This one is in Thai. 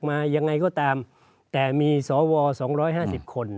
มายังไงก็ตามแต่มีสว๒๕๐คน